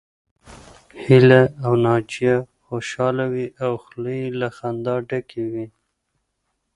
هيله او ناجيه خوشحاله وې او خولې يې له خندا ډکې وې